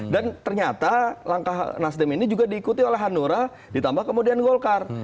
dan ternyata langkah nasdeh ini juga diikuti oleh hanura ditambah kemudian golkar